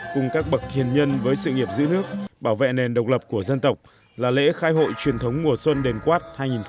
cùng các bậc tiền nhân với sự nghiệp giữ nước bảo vệ nền độc lập của dân tộc là lễ khai hội truyền thống mùa xuân đền quát hai nghìn hai mươi bốn